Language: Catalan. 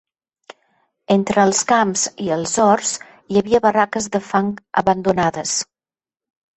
Entre els camps i els horts hi havia barraques de fang abandonades